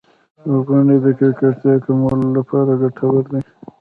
• غونډۍ د ککړتیا کمولو لپاره ګټورې دي.